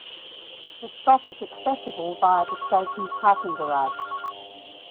The stop is accessible via the station's parking garage.